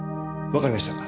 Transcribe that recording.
わかりました。